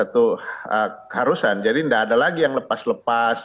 tidak ada lagi yang lepas lepas